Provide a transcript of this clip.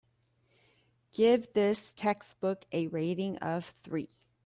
Give this textbook a rating of three.